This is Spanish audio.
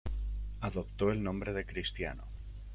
Adoptó el nombre de Cristiano.